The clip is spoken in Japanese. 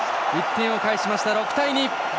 １点を返しました、６対２。